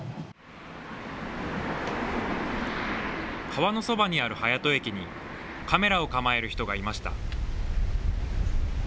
川のそばにある早戸駅にカメラを構える人がいました。